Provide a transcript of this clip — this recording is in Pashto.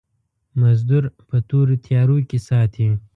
مزدور په تورو تيارو کې ساتي.